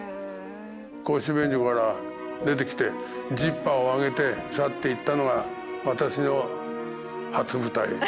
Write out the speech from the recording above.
公衆便所から出てきてジッパーを上げて去っていったのが私の初舞台。